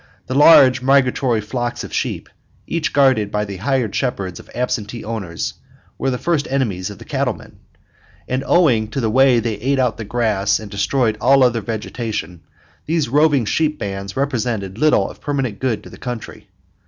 The large migratory flocks of sheep, each guarded by the hired shepherds of absentee owners, were the first enemies of the cattlemen; and owing to the way they ate out the grass and destroyed all other vegetation, these roving sheep bands represented little of permanent good to the country.